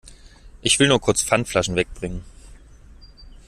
Ich will nur kurz Pfandflaschen weg bringen.